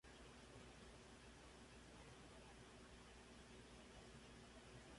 Por decreto del Interventor Nacional, se modificó el nombre a "Provincia del Chaco".